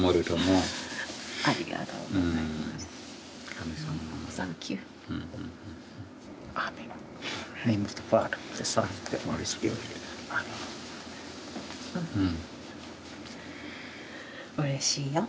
うれしいよ。